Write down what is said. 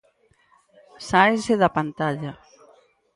Sáese da pantalla.